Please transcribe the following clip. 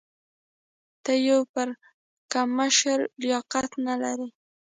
ته د یو پړکمشر لیاقت لا نه لرې.